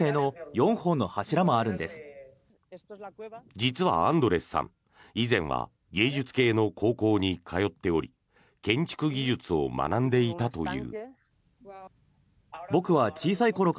実はアンドレスさん以前は芸術系の高校に通っており建築技術を学んでいたという。